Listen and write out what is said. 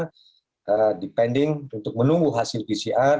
ee depending untuk menunggu hasil pcr